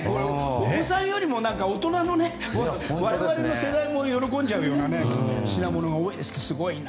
お子さんよりも大人の我々の世代も喜んじゃうようなものが多いです。